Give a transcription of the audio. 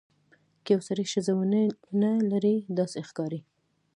که یو سړی ښځه ونه لري داسې ښکاري.